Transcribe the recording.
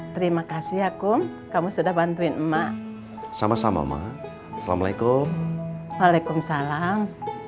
terima kasih aku kamu sudah bantuin emak sama sama assalamualaikum waalaikumsalam